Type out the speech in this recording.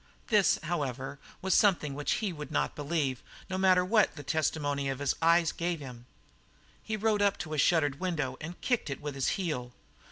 This, however, was something which he would not believe, no matter what testimony his eyes gave him. He rode up to a shuttered window and kicked it with his heel.